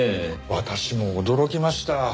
私も驚きました。